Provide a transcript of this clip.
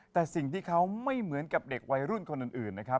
แต่สิ่งที่เขาไม่เหมือนกับเด็กวัยรุ่นคนอื่นนะครับ